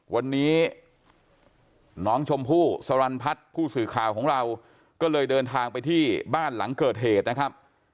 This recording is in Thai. วันนี้น้องชมพู่สรรพัฒน์ผู้สื่อข่าวของเราก็เลยเดินทางไปที่บ้านหลังเกิดเหตุนะครับ